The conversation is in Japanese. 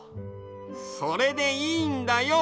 それでいいんだよ。